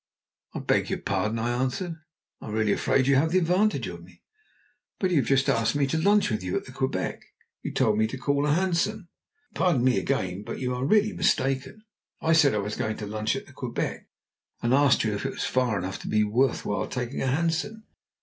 "I beg your pardon," I answered. "I'm really afraid you have the advantage of me." "But you have asked me to lunch with you at the Quebec. You told me to call a hansom." "Pardon me again! but you are really mistaken. I said I was going to lunch at the Quebec, and asked you if it was far enough to be worth while taking a hansom.